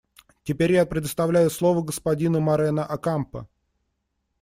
Теперь я предоставляю слово господину Морено Окампо.